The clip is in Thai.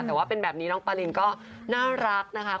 แต่ว่าเป็นแบบนี้น้องปารินก็น่ารักนะคะ